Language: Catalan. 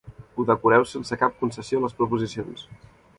Ho decoreu sense cap concessió a les preposicions.